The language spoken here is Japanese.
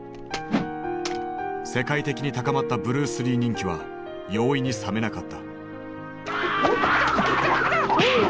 世界的に高まったブルース・リー人気は容易に冷めなかった。